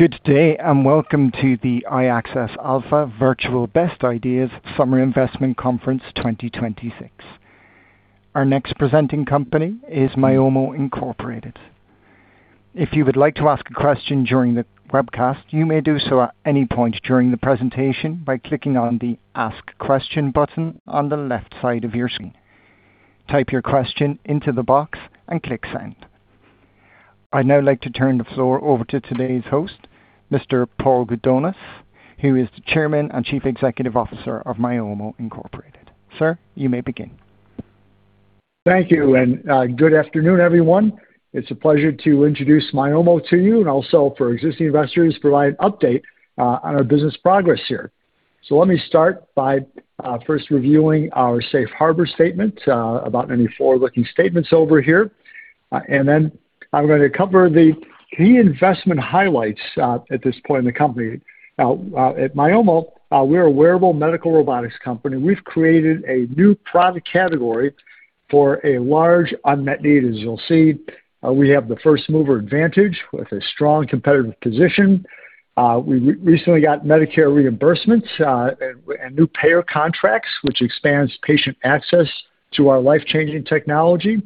Good day and welcome to the iAccess Alpha Virtual Best Ideas Summer Investment Conference 2026. Our next presenting company is Myomo, Incorporated. If you would like to ask a question during the webcast, you may do so at any point during the presentation by clicking on the Ask Question button on the left side of your screen. Type your question into the box and click Send. I'd now like to turn the floor over to today's host, Mr. Paul Gudonis, who is the Chairman and Chief Executive Officer of Myomo, Incorporated. Sir, you may begin. Thank you, and good afternoon, everyone. It's a pleasure to introduce Myomo to you, and also for existing investors, provide an update on our business progress here. Let me start by first reviewing our safe harbor statement about any forward-looking statements over here. Then I'm going to cover the key investment highlights at this point in the company. At Myomo, we're a wearable medical robotics company. We've created a new product category for a large unmet need as you'll see. We have the first-mover advantage with a strong competitive position. We recently got Medicare reimbursements, and new payer contracts, which expands patient access to our life-changing technology.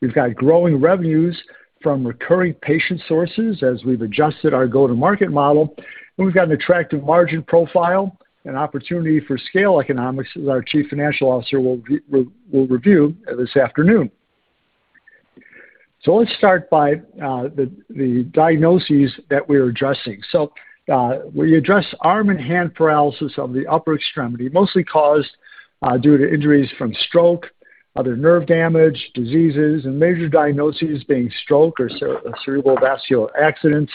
We've got growing revenues from recurring patient sources as we've adjusted our go-to-market model. We've got an attractive margin profile and opportunity for scale economics, as our Chief Financial Officer will review this afternoon. Let's start by the diagnoses that we're addressing. We address arm and hand paralysis of the upper extremity, mostly caused due to injuries from stroke, other nerve damage, diseases, and major diagnoses being stroke or cerebrovascular accidents,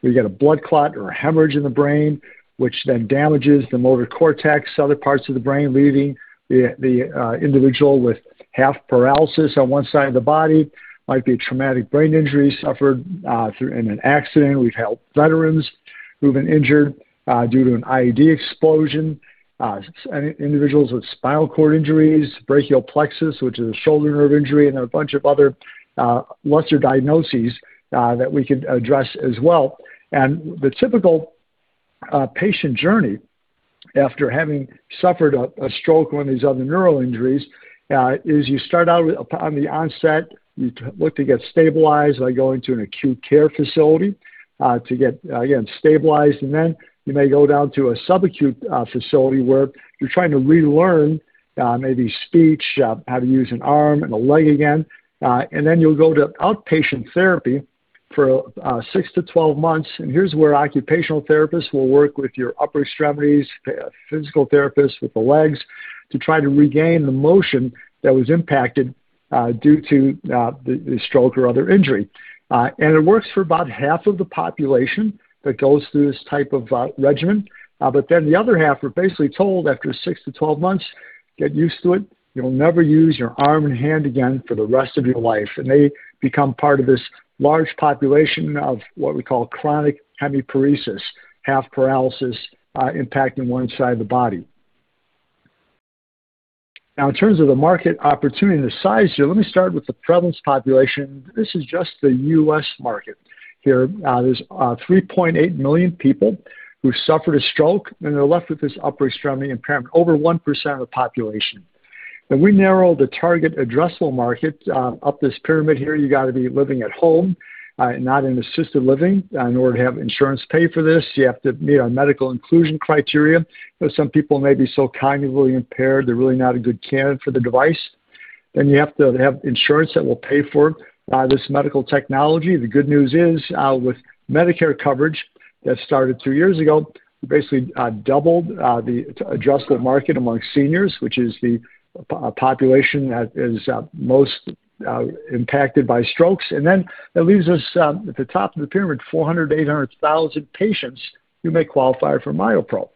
where you get a blood clot or a hemorrhage in the brain, which then damages the motor cortex, other parts of the brain, leaving the individual with half paralysis on one side of the body. Might be a traumatic brain injury suffered in an accident. We've helped veterans who've been injured due to an IED explosion, individuals with spinal cord injuries, brachial plexus, which is a shoulder nerve injury, and then a bunch of other lesser diagnoses that we could address as well. The typical patient journey after having suffered a stroke or one of these other neural injuries, is you start out on the onset. You look to get stabilized by going to an acute care facility to get, again, stabilized. Then you may go down to a sub-acute facility where you're trying to relearn maybe speech, how to use an arm and a leg again. Then you'll go to outpatient therapy for 6-12 months, and here's where occupational therapists will work with your upper extremities, physical therapists with the legs to try to regain the motion that was impacted due to the stroke or other injury. It works for about half of the population that goes through this type of regimen. The other half are basically told after 6-12 months, "Get used to it, you'll never use your arm and hand again for the rest of your life." They become part of this large population of what we call chronic hemiparesis, half paralysis impacting one side of the body. In terms of the market opportunity and the size here, let me start with the prevalence population. This is just the U.S. market here. There's 3.8 million people who suffered a stroke and they're left with this upper extremity impairment, over 1% of the population. If we narrow the target addressable market up this pyramid here, you got to be living at home, not in assisted living. In order to have insurance pay for this, you have to meet our medical inclusion criteria, because some people may be so cognitively impaired, they're really not a good candidate for the device. You have to have insurance that will pay for this medical technology. The good news is with Medicare coverage that started two years ago, basically doubled the addressable market amongst seniors, which is the population that is most impacted by strokes. That leaves us at the top of the pyramid, 400,000-800,000 patients who may qualify for MyoPro.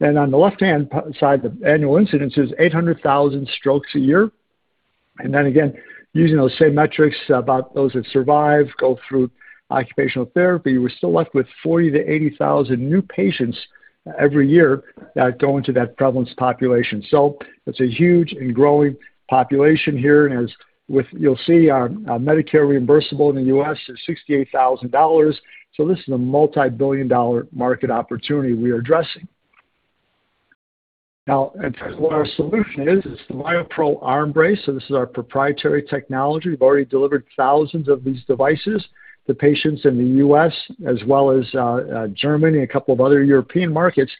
On the left-hand side, the annual incidence is 800,000 strokes a year. Again, using those same metrics about those that survive, go through occupational therapy, we're still left with 40,000-80,000 new patients every year that go into that prevalence population. It's a huge and growing population here. As you'll see, our Medicare reimbursable in the U.S. is $68,000. This is a multi-billion dollar market opportunity we are addressing. What our solution is the MyoPro arm brace. This is our proprietary technology. We've already delivered thousands of these devices to patients in the U.S. as well as Germany and a couple of other European markets.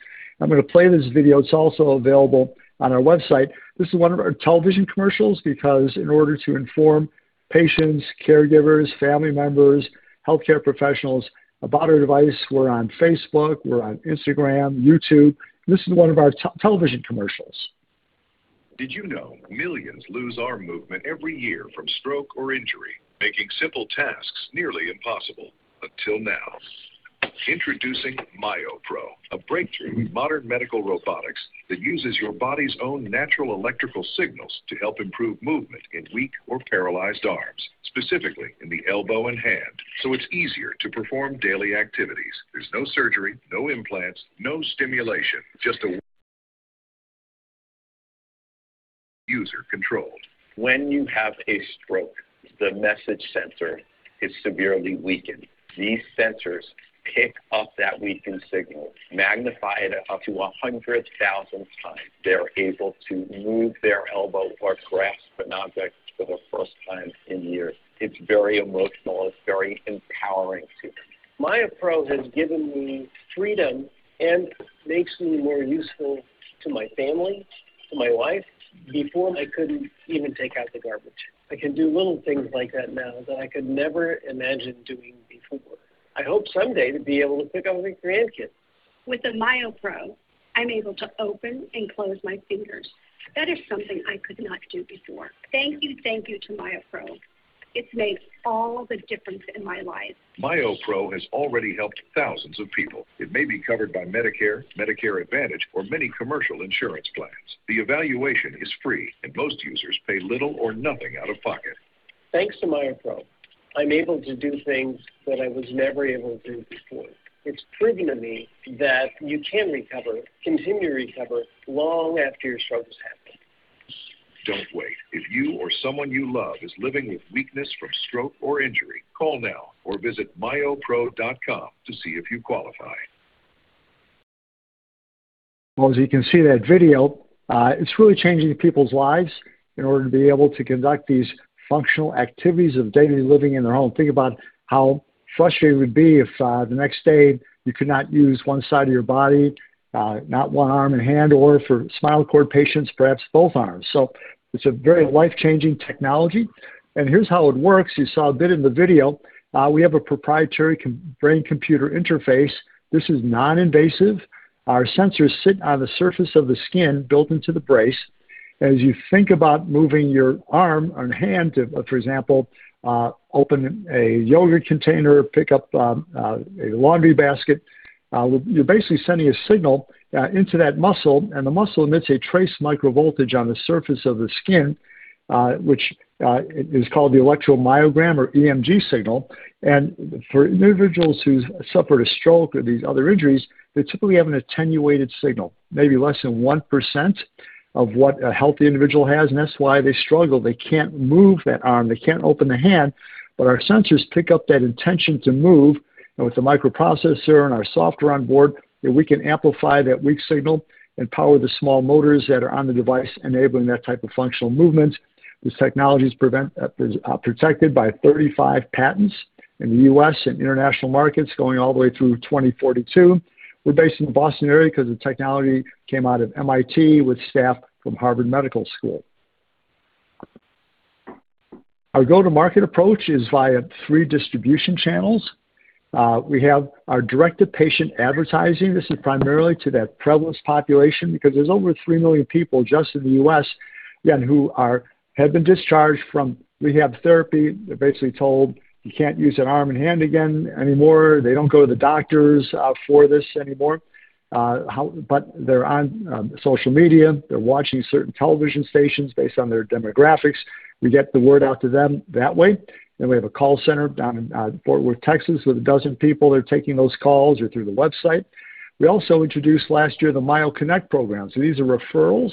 I'm going to play this video. It's also available on our website. This is one of our television commercials because in order to inform patients, caregivers, family members, healthcare professionals about our device, we're on Facebook, we're on Instagram, YouTube. This is one of our television commercials. Did you know millions lose arm movement every year from stroke or injury, making simple tasks nearly impossible? Until now. Introducing MyoPro, a breakthrough in modern medical robotics that uses your body's own natural electrical signals to help improve movement in weak or paralyzed arms, specifically in the elbow and hand, so it's easier to perform daily activities. There's no surgery, no implants, no stimulation, just User controlled. When you have a stroke, the message sensor is severely weakened. These sensors pick up that weakened signal, magnify it up to 100,000 times. They're able to move their elbow or grasp an object for the first time in years. It's very emotional. It's very empowering, too. MyoPro has given me freedom and makes me more useful to my family, to my wife. Before, I couldn't even take out the garbage. I can do little things like that now that I could never imagine doing before. I hope someday to be able to pick up my grandkids. With the MyoPro, I'm able to open and close my fingers. That is something I could not do before. Thank you, thank you to MyoPro. It's made all the difference in my life. MyoPro has already helped thousands of people. It may be covered by Medicare Advantage, or many commercial insurance plans. The evaluation is free, and most users pay little or nothing out of pocket. Thanks to MyoPro, I'm able to do things that I was never able to do before. It's proven to me that you can recover, continue to recover, long after your stroke has happened. Don't wait. If you or someone you love is living with weakness from stroke or injury, call now or visit myomo.com to see if you qualify. As you can see in that video, it's really changing people's lives in order to be able to conduct these functional activities of daily living in their home. Think about how frustrating it would be if the next day you could not use one side of your body, not one arm and hand, or for spinal cord patients, perhaps both arms. It's a very life-changing technology. Here's how it works. You saw a bit in the video. We have a proprietary brain-computer interface. This is non-invasive. Our sensors sit on the surface of the skin built into the brace. As you think about moving your arm and hand, for example, open a yogurt container, pick up a laundry basket, you're basically sending a signal into that muscle, the muscle emits a trace micro voltage on the surface of the skin, which is called the electromyogram or EMG signal. For individuals who've suffered a stroke or these other injuries, they typically have an attenuated signal, maybe less than 1% of what a healthy individual has, that's why they struggle. They can't move that arm. They can't open the hand. Our sensors pick up that intention to move, with the microprocessor and our software on board, we can amplify that weak signal and power the small motors that are on the device, enabling that type of functional movement. This technology's protected by 35 patents in the U.S. and international markets going all the way through 2042. We're based in the Boston area because the technology came out of MIT with staff from Harvard Medical School. Our go-to-market approach is via three distribution channels. We have our direct-to-patient advertising. This is primarily to that prevalence population because there's over three million people just in the U.S., again, who have been discharged from rehab therapy. They're basically told, "You can't use that arm and hand again anymore." They don't go to the doctors for this anymore. They're on social media. They're watching certain television stations based on their demographics. We get the word out to them that way. We have a call center down in Fort Worth, Texas, with 12 people that are taking those calls or through the website. We also introduced last year the MyoConnect program. These are referrals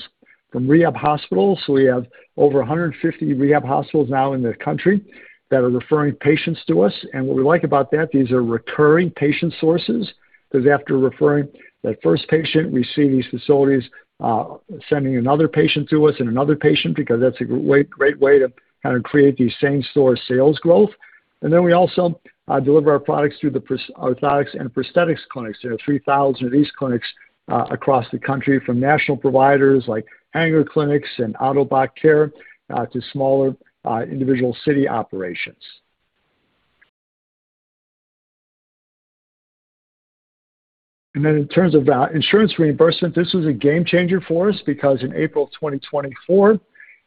from rehab hospitals. We have over 150 rehab hospitals now in the country that are referring patients to us. What we like about that, these are recurring patient sources, because after referring that first patient, we see these facilities sending another patient to us and another patient because that's a great way to kind of create these same store sales growth. We also deliver our products through the orthotics and prosthetics clinics. There are 3,000 of these clinics across the country, from national providers like Hanger Clinic and Ottobock Care to smaller individual city operations. In terms of insurance reimbursement, this was a game changer for us because in April 2024,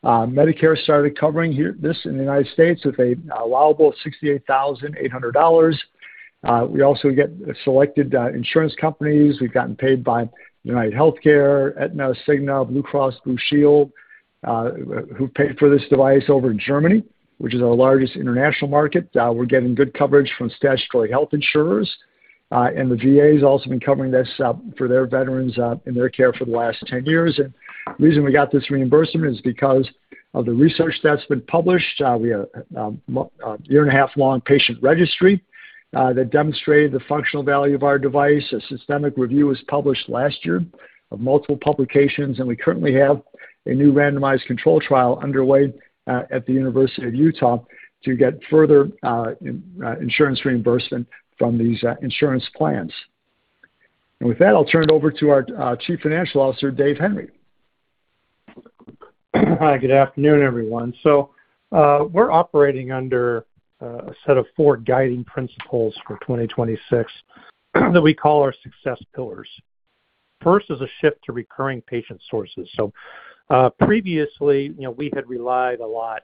Medicare started covering this in the U.S. with an allowable of $68,800. We also get selected insurance companies. We've gotten paid by UnitedHealthcare, Aetna, Cigna, Blue Cross Blue Shield, who pay for this device over in Germany, which is our largest international market. We're getting good coverage from statutory health insurers, and the VA has also been covering this for their veterans in their care for the last 10 years. The reason we got this reimbursement is because of the research that's been published. We have a year-and-a-half-long patient registry that demonstrated the functional value of our device. A systematic review was published last year of multiple publications, and we currently have a new randomized controlled trial underway at the University of Utah to get further insurance reimbursement from these insurance plans. With that, I'll turn it over to our Chief Financial Officer, Dave Henry. Hi, good afternoon, everyone. We're operating under a set of four guiding principles for 2026 that we call our success pillars. First is a shift to recurring patient sources. Previously, we had relied a lot.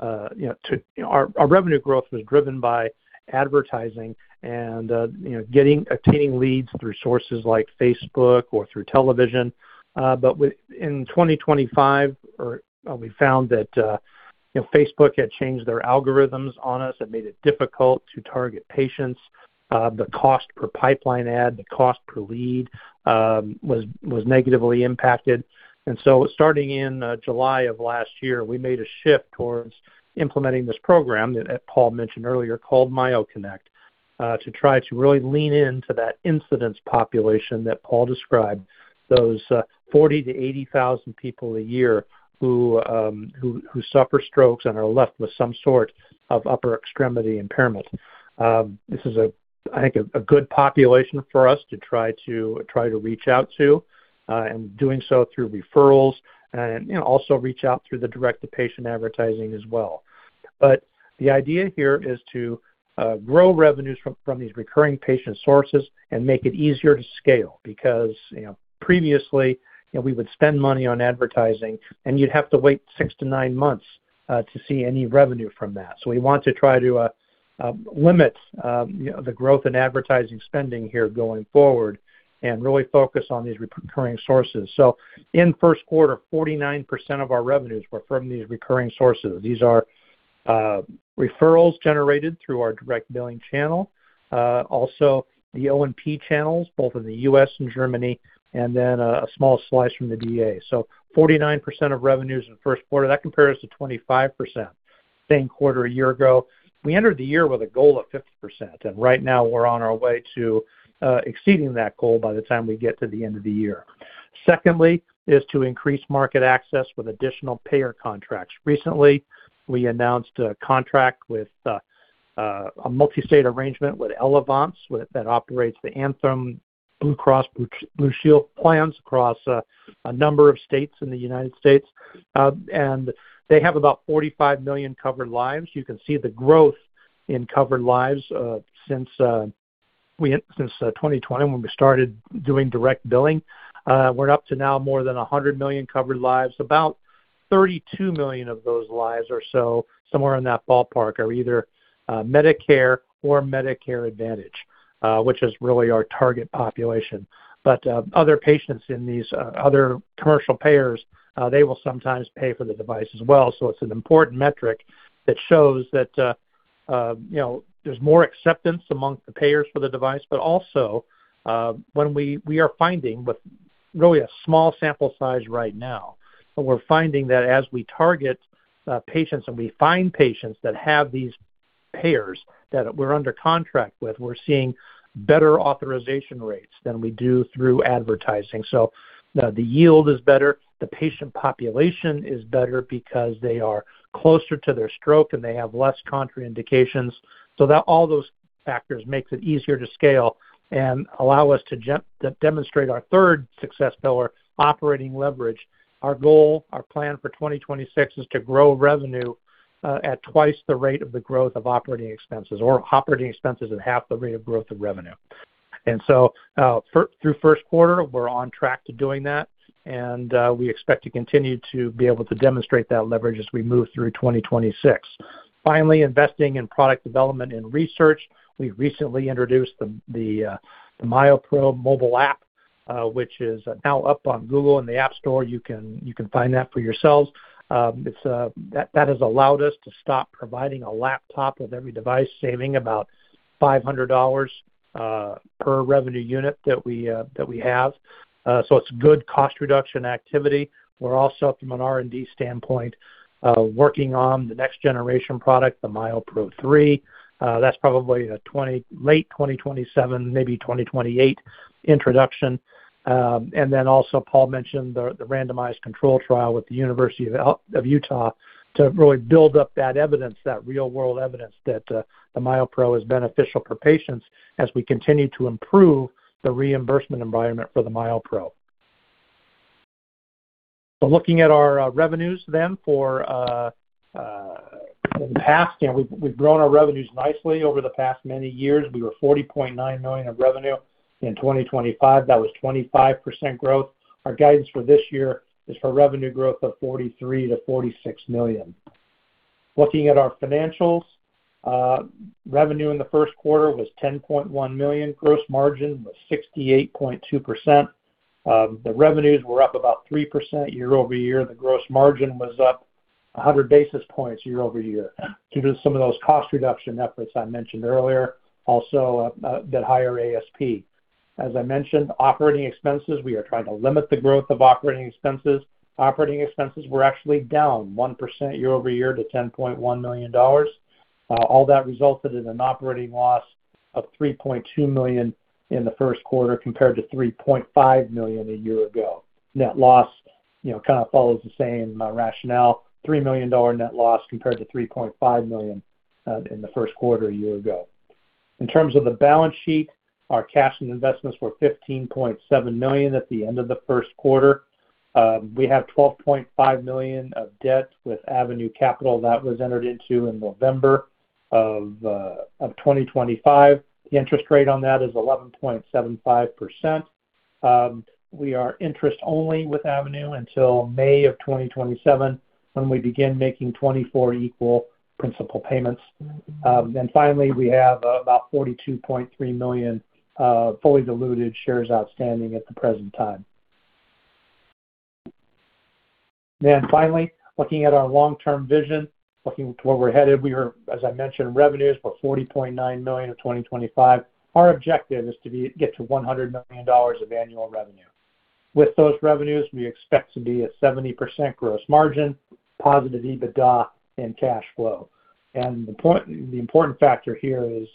Our revenue growth was driven by advertising and attaining leads through sources like Facebook or through television. In 2025, we found that Facebook had changed their algorithms on us and made it difficult to target patients. The cost per pipeline ad, the cost per lead was negatively impacted. Starting in July of last year, we made a shift towards implementing this program that Paul mentioned earlier called MyoConnect. To try to really lean into that incidence population that Paul described, those 40,000-80,000 people a year who suffer strokes and are left with some sort of upper extremity impairment. This is a good population for us to try to reach out to, and doing so through referrals and also reach out through the direct-to-patient advertising as well. The idea here is to grow revenues from these recurring patient sources and make it easier to scale. Because previously, we would spend money on advertising, and you'd have to wait six to nine months to see any revenue from that. We want to try to limit the growth in advertising spending here going forward and really focus on these recurring sources. In the first quarter, 49% of our revenues were from these recurring sources. These are referrals generated through our direct billing channel, also the O&P channels, both in the U.S. and Germany, and then a small slice from the VA. 49% of revenues in the first quarter. That compares to 25% same quarter a year ago. We entered the year with a goal of 50%, and right now we're on our way to exceeding that goal by the time we get to the end of the year. Secondly is to increase market access with additional payer contracts. Recently, we announced a contract with a multi-state arrangement with Elevance, that operates the Anthem Blue Cross Blue Shield plans across a number of states in the United States. They have about 45 million covered lives. You can see the growth in covered lives since 2020 when we started doing direct billing. We're up to now more than 100 million covered lives. About 32 million of those lives or so, somewhere in that ballpark, are either Medicare or Medicare Advantage, which is really our target population. Other patients in these other commercial payers, they will sometimes pay for the device as well. It's an important metric that shows that there's more acceptance among the payers for the device, also, we are finding with really a small sample size right now, but we're finding that as we target patients and we find patients that have these payers that we're under contract with, we're seeing better authorization rates than we do through advertising. The yield is better. The patient population is better because they are closer to their stroke and they have less contraindications. All those factors makes it easier to scale and allow us to demonstrate our third success pillar, operating leverage. Our goal, our plan for 2026 is to grow revenue at twice the rate of the growth of operating expenses or operating expenses at half the rate of growth of revenue. Through the first quarter, we're on track to doing that, and we expect to continue to be able to demonstrate that leverage as we move through 2026. Finally, investing in product development and research. We recently introduced the MyoPro Mobile App, which is now up on Google in the App Store. You can find that for yourselves. That has allowed us to stop providing a laptop with every device, saving about $500 per revenue unit that we have. It's good cost reduction activity. We're also, from an R&D standpoint, working on the next generation product, the MyoPro 3. That's probably late 2027, maybe 2028 introduction. Paul mentioned the randomized controlled trial with the University of Utah to really build up that evidence, that real-world evidence that the MyoPro is beneficial for patients as we continue to improve the reimbursement environment for the MyoPro. Looking at our revenues for the past, we've grown our revenues nicely over the past many years. We were $40.9 million of revenue in 2025. That was 25% growth. Our guidance for this year is for revenue growth of $43 million-$46 million. Looking at our financials, revenue in the first quarter was $10.1 million. Gross margin was 68.2%. The revenues were up about 3% year-over-year. The gross margin was up 100 basis points year-over-year due to some of those cost reduction efforts I mentioned earlier. Also, that higher ASP. As I mentioned, operating expenses, we are trying to limit the growth of operating expenses. Operating expenses were actually down 1% year-over-year to $10.1 million. All that resulted in an operating loss of $3.2 million in the first quarter, compared to $3.5 million a year ago. Net loss kind of follows the same rationale, $3 million net loss compared to $3.5 million in the first quarter a year ago. In terms of the balance sheet, our cash and investments were $15.7 million at the end of the first quarter. We have $12.5 million of debt with Avenue Capital that was entered into in November of 2025. The interest rate on that is 11.75%. We are interest-only with Avenue until May of 2027, when we begin making 24 equal principal payments. Finally, we have about 42.3 million fully diluted shares outstanding at the present time. Looking at our long-term vision, looking to where we're headed. We are, as I mentioned, revenues were $40.9 million in 2025. Our objective is to get to $100 million of annual revenue. With those revenues, we expect to be at 70% gross margin, positive EBITDA, and cash flow. The important factor here is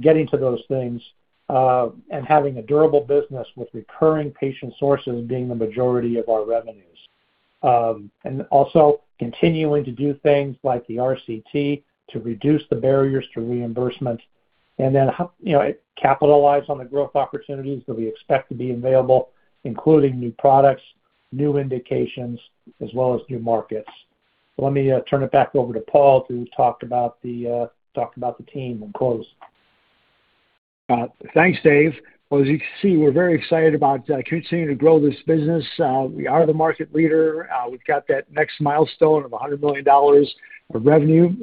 getting to those things, and having a durable business with recurring patient sources being the majority of our revenues. Continuing to do things like the RCT to reduce the barriers to reimbursement and capitalize on the growth opportunities that we expect to be available, including new products, new indications, as well as new markets. Let me turn it back over to Paul to talk about the team and close. Thanks, Dave. As you can see, we're very excited about continuing to grow this business. We are the market leader. We've got that next milestone of $100 million of revenue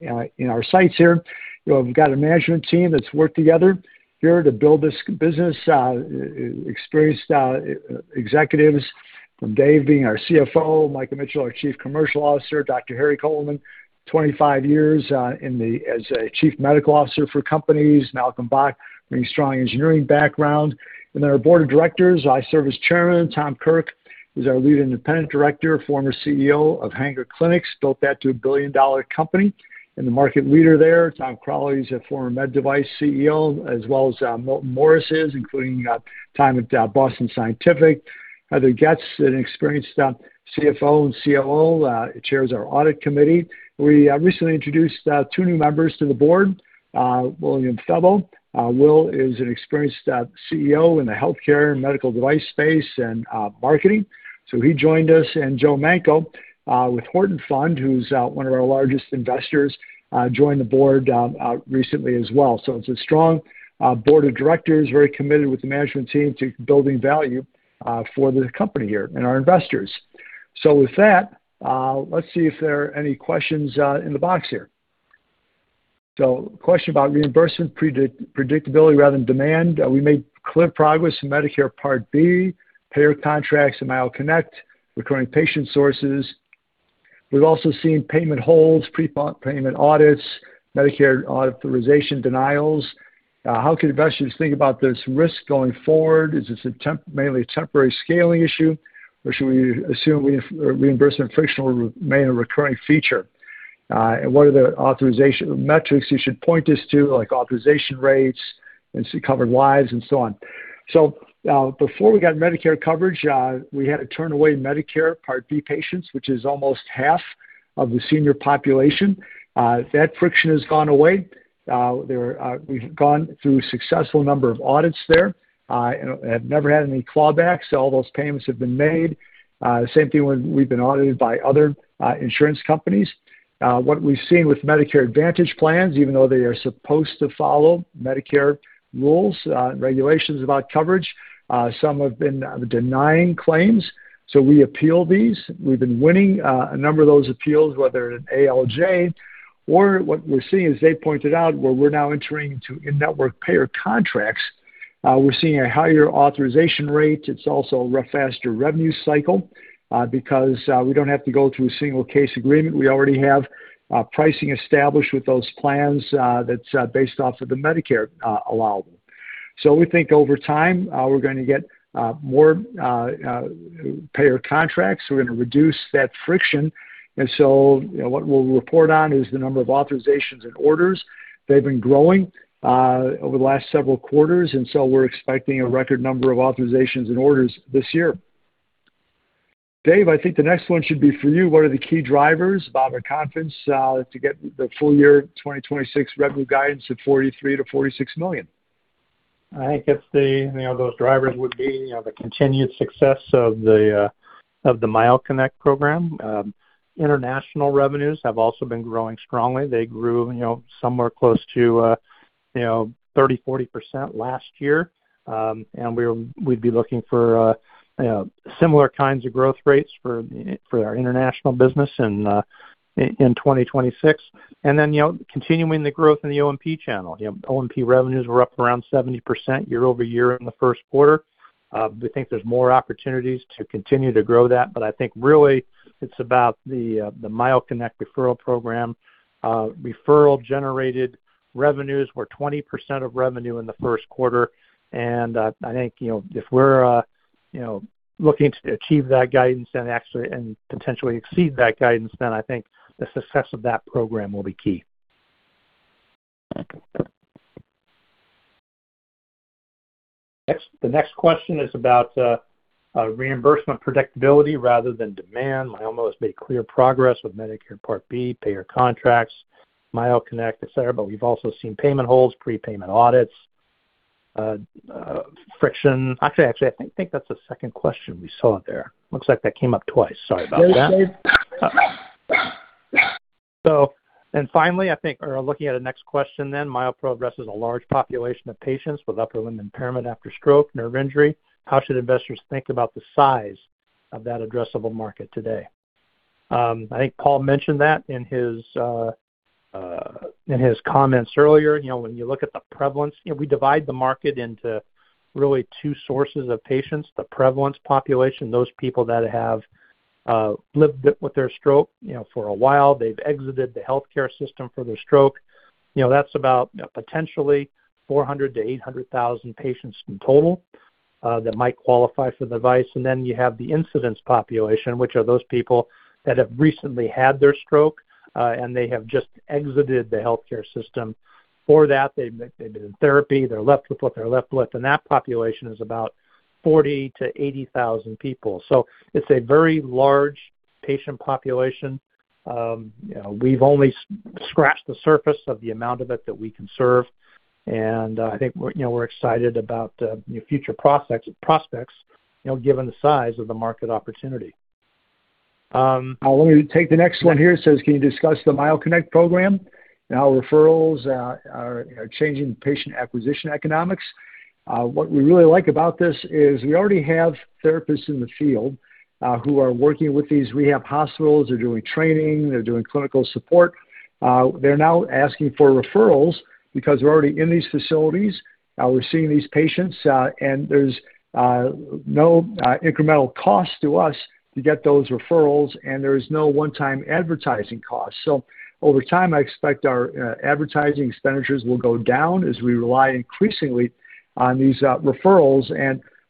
in our sights here. We've got a management team that's worked together here to build this business, experienced executives from Dave being our CFO, Micah Mitchell, our Chief Commercial Officer, Dr. Harry Kovelman, 25 years as a Chief Medical Officer for companies, Malcolm Bock, bringing strong engineering background. Our Board of Directors, I serve as Chairman. Tom Kirk, who's our Lead Independent Director, former CEO of Hanger Clinic, built that to a billion-dollar company and the market leader there. Tom Crowley is a former med device CEO as well as Milton Morris is, including time at Boston Scientific. Heather Getz, an experienced CFO and COO, chairs our Audit Committee. We recently introduced two new members to the board. William Febbo. Will is an experienced CEO in the healthcare and medical device space and marketing. He joined us, and Joe Manko, with The Horton Fund, who's one of our largest investors joined the board recently as well. It's a strong board of directors, very committed with the management team to building value for the company here and our investors. With that, let's see if there are any questions in the box here. Question about reimbursement predictability rather than demand. We made clear progress in Medicare Part B, payer contracts, and MyoConnect, recurring patient sources. We've also seen payment holds, prepayment audits, Medicare authorization denials. How could investors think about this risk going forward? Is this mainly a temporary scaling issue, or should we assume reimbursement friction will remain a recurring feature? What are the authorization metrics you should point us to, like authorization rates and covered lives and so on? Before we got Medicare coverage, we had to turn away Medicare Part B patients, which is almost half of the senior population. That friction has gone away. We've gone through a successful number of audits there, and have never had any clawbacks. All those payments have been made. Same thing when we've been audited by other insurance companies. What we've seen with Medicare Advantage plans, even though they are supposed to follow Medicare rules and regulations about coverage, some have been denying claims. We appeal these. We've been winning a number of those appeals, whether at an ALJ or what we're seeing, as Dave pointed out, where we're now entering into in-network payer contracts. We're seeing a higher authorization rate. It's also a faster revenue cycle because we don't have to go through a single case agreement. We already have pricing established with those plans that's based off of the Medicare allowable. We think over time, we're going to get more payer contracts. We're going to reduce that friction. What we'll report on is the number of authorizations and orders. They've been growing over the last several quarters, we're expecting a record number of authorizations and orders this year. Dave, I think the next one should be for you. What are the key drivers about our confidence to get the full year 2026 revenue guidance of $43 million-$46 million? I think those drivers would be the continued success of the MyoConnect program. International revenues have also been growing strongly. They grew somewhere close to 30%-40% last year. We'd be looking for similar kinds of growth rates for our international business in 2026. Continuing the growth in the O&P channel. O&P revenues were up around 70% year-over-year in the first quarter. We think there's more opportunities to continue to grow that, but I think really it's about the MyoConnect referral program. Referral-generated revenues were 20% of revenue in the first quarter, I think if we're looking to achieve that guidance and potentially exceed that guidance, I think the success of that program will be key. The next question is about reimbursement predictability rather than demand. Myomo has made clear progress with Medicare Part B payer contracts, MyoConnect, et cetera, but we've also seen payment holds, prepayment audits, friction. Actually, I think that's the second question we saw there. Looks like that came up twice. Sorry about that. Yeah, Dave. Finally, I think we're looking at the next question then. Myomo progresses a large population of patients with upper limb impairment after stroke, nerve injury. How should investors think about the size of that addressable market today? I think Paul mentioned that in his comments earlier. When you look at the prevalence, we divide the market into really two sources of patients, the prevalence population, those people that have lived with their stroke for a while. They've exited the healthcare system for their stroke. That's about potentially 400,000-800,000 patients in total that might qualify for the device. Then you have the incidence population, which are those people that have recently had their stroke, and they have just exited the healthcare system for that. They've been in therapy. They're left with what they're left with, and that population is about 40,000-80,000 people. It's a very large patient population. We've only scratched the surface of the amount of it that we can serve, and I think we're excited about the future prospects, given the size of the market opportunity. Let me take the next one here. It says, "Can you discuss the MyoConnect program? Now referrals are changing patient acquisition economics." What we really like about this is we already have therapists in the field, who are working with these rehab hospitals. They're doing training. They're doing clinical support. They're now asking for referrals because we're already in these facilities. We're seeing these patients, and there's no incremental cost to us to get those referrals, and there is no one-time advertising cost. Over time, I expect our advertising expenditures will go down as we rely increasingly on these referrals.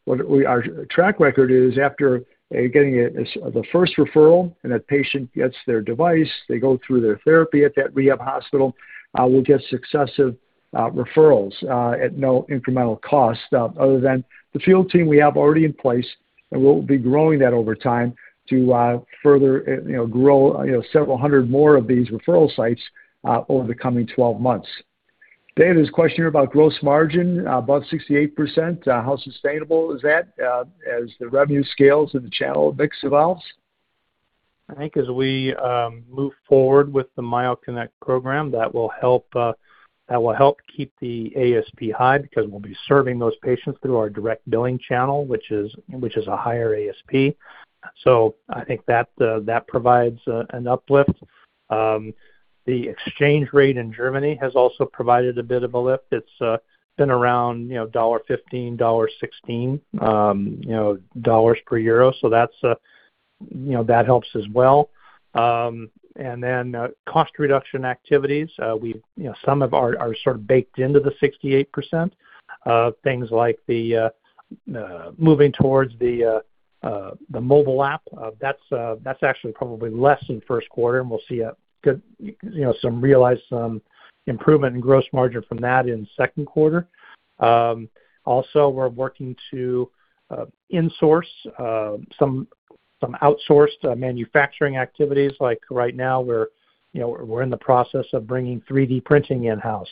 Our track record is after getting the first referral and that patient gets their device, they go through their therapy at that rehab hospital, we'll get successive referrals at no incremental cost other than the field team we have already in place, and we'll be growing that over time to further grow several hundred more of these referral sites over the coming 12 months. Dave, there's a question here about gross margin above 68%. How sustainable is that as the revenue scales and the channel mix evolves? I think as we move forward with the MyoConnect program, that will help keep the ASP high because we'll be serving those patients through our direct billing channel, which is a higher ASP. I think that provides an uplift. The exchange rate in Germany has also provided a bit of a lift. It's been around $1.15, $1.16 per euro. That helps as well. Cost reduction activities. Some are sort of baked into the 68%, things like moving towards the Mobile App. That's actually probably less in the first quarter, and we'll realize some improvement in gross margin from that in the second quarter. Also we're working to insource some outsourced manufacturing activities. Like right now, we're in the process of bringing 3D printing in-house,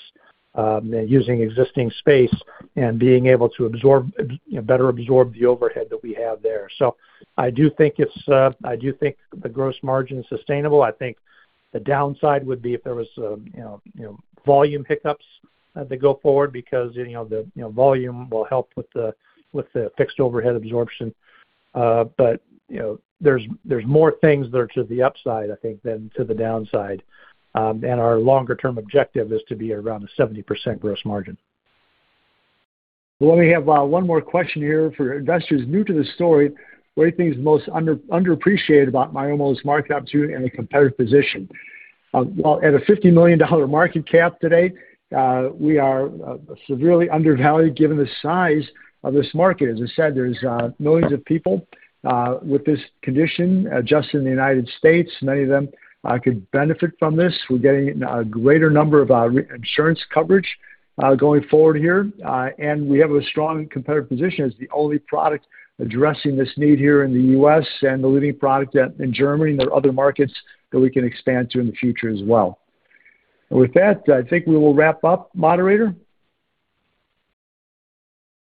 using existing space and being able to better absorb the overhead that we have there. I do think the gross margin is sustainable. I think the downside would be if there was volume hiccups as they go forward because volume will help with the fixed overhead absorption. There's more things that are to the upside, I think, than to the downside. Our longer-term objective is to be around a 70% gross margin. We have one more question here. For investors new to the story, what do you think is most underappreciated about Myomo's market opportunity and the competitive position? At a $50 million market cap today, we are severely undervalued given the size of this market. As I said, there's millions of people with this condition just in the U.S. Many of them could benefit from this. We're getting a greater number of insurance coverage going forward here. We have a strong competitive position as the only product addressing this need here in the U.S. and the leading product in Germany, and there are other markets that we can expand to in the future as well. With that, I think we will wrap up. Moderator?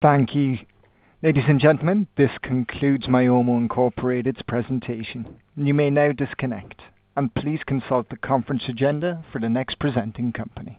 Thank you. Ladies and gentlemen, this concludes Myomo, Incorporated.'s presentation. You may now disconnect and please consult the conference agenda for the next presenting company.